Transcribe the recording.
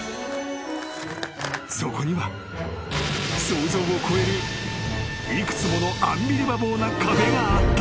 ［そこには想像を超える幾つものアンビリバボーな壁があった］